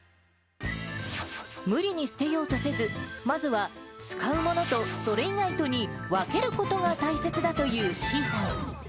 無理に捨てようとせず、まずは使うものとそれ以外とに分けることが大切だというｓｅａさん。